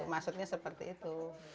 maksudnya seperti itu